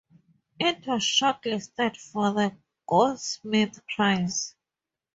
It was shortlisted for the Goldsmiths Prize.